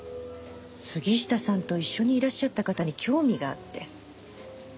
杉下さんと一緒にいらっしゃった方に興味があって。